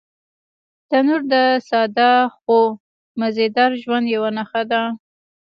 تنور د ساده خو مزيدار ژوند یوه نښه ده